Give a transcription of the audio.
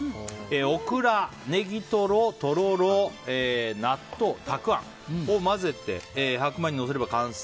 オクラ、ネギトロとろろ、納豆、たくあんを混ぜて白米にのせれば完成。